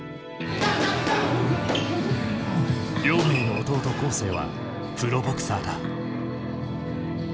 亮明の弟恒成はプロボクサーだ。